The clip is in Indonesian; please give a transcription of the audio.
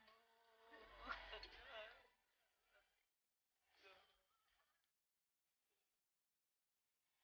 itu hal pertemuan